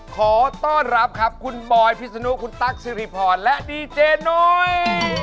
ขอต้อนรับครับคุณบอยพิศนุคุณตั๊กสิริพรและดีเจนุ้ย